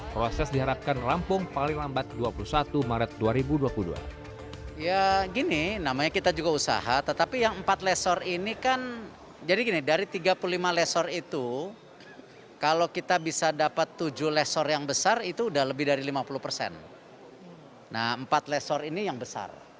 proses diharapkan rampung paling lambat dua puluh satu maret dua ribu dua puluh dua